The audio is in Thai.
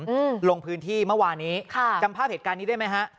อืมลงพื้นที่เมื่อวานี้ค่ะจำภาพเหตุการณ์นี้ได้ไหมฮะ